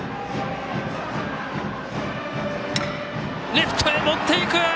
レフトへもっていく！